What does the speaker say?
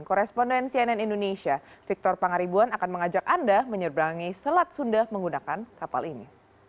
koresponden cnn indonesia victor pangaribuan akan mengajak anda menyeberangi selat sunda menggunakan kapal ini